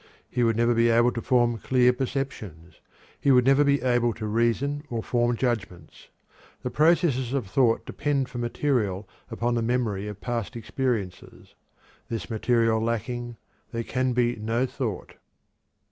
He would never be able to form clear perceptions. He would never be able to reason or form judgments. The processes of thought depend for material upon the memory of past experiences; this material lacking, there can be no thought.